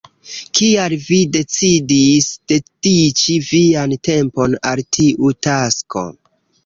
Kial vi decidis dediĉi vian tempon al tiu tasko?